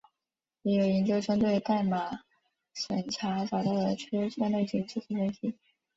也有研究针对代码审查找到的缺陷类型进行分析。